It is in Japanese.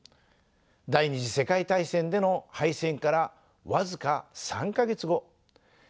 第２次世界大戦での敗戦から僅か３か月後